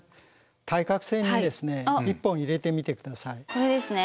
これですね。